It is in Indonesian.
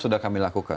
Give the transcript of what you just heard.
yang kami lakukan